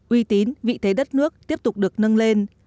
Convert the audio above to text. uy tín vị thế đất nước tiếp tục được nâng lên